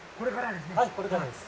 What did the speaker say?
これからですね。